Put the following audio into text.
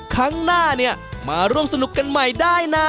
ครั้งหน้าเนี่ยมาร่วมสนุกกันใหม่ได้นะ